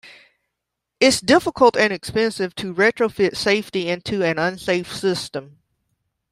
It's difficult and expensive to retrofit safety into an unsafe system.